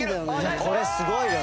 これすごいね。